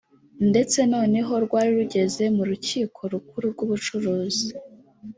ndetse noneho rwari rugeze mu Rukiko Rukuru rw’Ubucuruzi